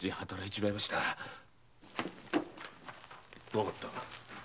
わかった。